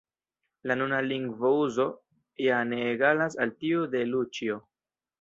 La nuna lingvouzo ja ne egalas al tiu de Luĉjo.